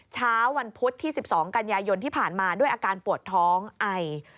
เช้าวันพุธที่๑๒กันยายนที่ผ่านมาด้วยอาการปวดท้องไอ